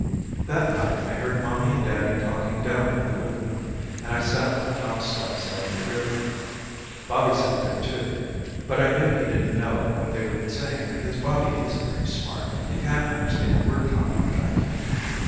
That night I heard mommy and daddy talking down in the living room and I sat on the top step so I could hear them. Bobby sat there too, but I knew he didn't know what they were saying because Bobby isn't very smart and can't understand word talk like I can.